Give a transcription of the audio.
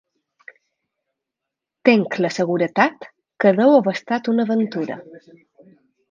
Tinc la seguretat que deu haver estat una aventura.